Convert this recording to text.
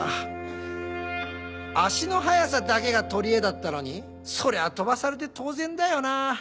足の速さだけが取りえだったのにそりゃあ飛ばされて当然だよな。